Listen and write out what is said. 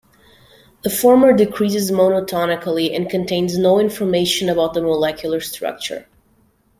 The former decreases monotonically and contains no information about the molecular structure.